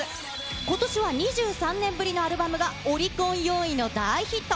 ことしは２３年ぶりのアルバムがオリコン４位の大ヒット。